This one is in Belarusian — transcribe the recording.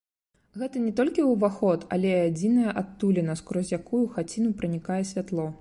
Гэта не толькі ўваход, але і адзіная адтуліна, скрозь якую ў хаціну пранікае святло.